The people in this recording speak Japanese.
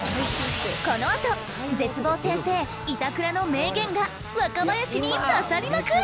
このあと絶望先生板倉の名言が若林に刺さりまくる！